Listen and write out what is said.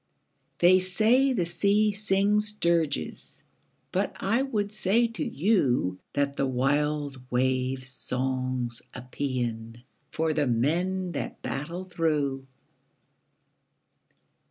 They say the sea sings dirges, But I would say to you That the wild wave's song's a paean For the men that battle through.